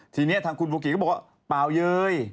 ทีนี้ทางคุณโบกิก็บอกว่าเปล่าเย้ย